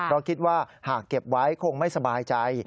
เพราะคิดว่าหากเก็บไว้คงไม่สบายใจ